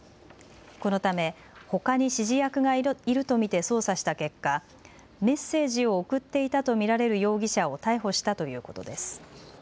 このため、ほかに指示役がいると見て捜査した結果メッセージを送っていたと見られる容疑者を逮捕したということです。